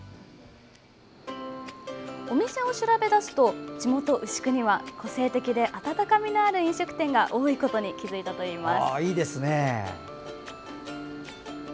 お店を調べ出すと地元・牛久には個性的で温かみのある飲食店が多いことに気付いたといいます。